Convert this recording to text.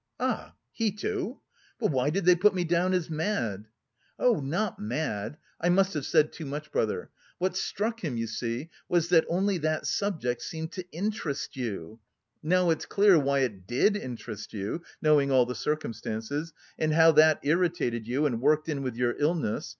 "Ah!... he too... but why did they put me down as mad?" "Oh, not mad. I must have said too much, brother.... What struck him, you see, was that only that subject seemed to interest you; now it's clear why it did interest you; knowing all the circumstances... and how that irritated you and worked in with your illness...